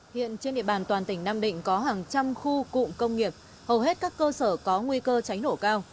hiện trên địa bàn toàn tỉnh nam định có hàng trăm khu cụm công nghiệp hầu hết các cơ sở có nguy cơ cháy nổ cao